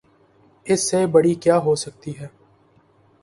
اس سے بڑی کیا ہو سکتی ہے؟